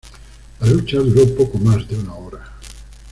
La lucha duró poco más de una hora.